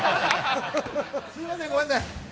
◆すいません、ごめんなさい。